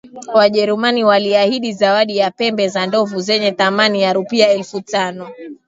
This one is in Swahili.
Wajerumani waliahidi zawadi ya pembe za ndovu zenye thamani ya rupia elfu tano